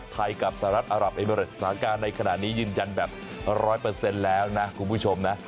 กับสหรัฐอารับเอเมริดสถานการณ์ในขณะนี้ยืนยันแบบ๑๐๐แล้วนะคุณผู้ชมนะ